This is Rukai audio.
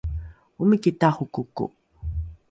omiki tarokoko